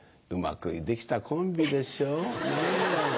うまく出来たコンビでしょう？